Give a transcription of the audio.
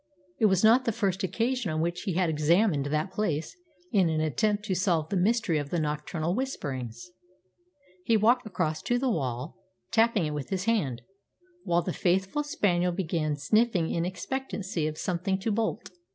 It was not the first occasion on which he had examined that place in an attempt to solve the mystery of the nocturnal whisperings. He walked across to the wall, tapping it with his hand, while the faithful spaniel began sniffing in expectancy of something to bolt.